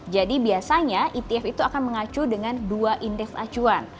jadi biasanya etf akan mengacu dengan dua indeks acuan